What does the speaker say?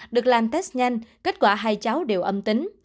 được làm test nhanh kết quả hai cháu đều âm tính